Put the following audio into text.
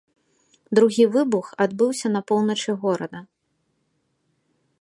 Другі выбух адбыўся на поўначы горада.